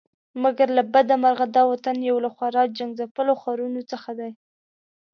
مګر له بده مرغه دا وطن یو له خورا جنګ ځپلو ښارونو څخه دی.